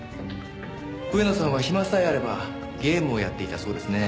上野さんは暇さえあればゲームをやっていたそうですね。